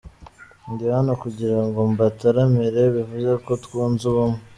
Ndi hano kugira ngo mbataramire, bivuze ko twunze ubumwe.